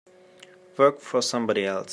Work for somebody else.